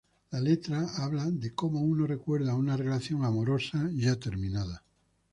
La letra habla de cómo uno recuerda una relación amorosa ya terminada.